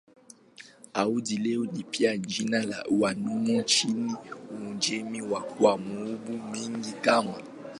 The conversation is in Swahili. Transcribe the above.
Hadi leo ni pia jina la wanaume nchini Uajemi na kwa maumbo mengine kama